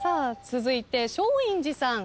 続いて松陰寺さん。